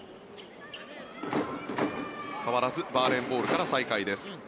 変わらずバーレーンボールから再開です。